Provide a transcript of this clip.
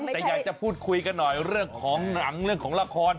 แต่อยากจะพูดคุยกันหน่อยเรื่องของหนังเรื่องของละคร